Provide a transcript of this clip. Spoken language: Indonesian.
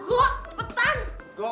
kok kayak beginian di like